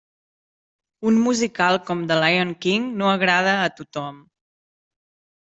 Un musical com The Lyon King no agrada a tothom.